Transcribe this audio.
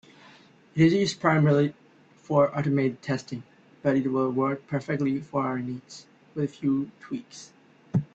It is used primarily for automated testing, but it will work perfectly for our needs, with a few tweaks.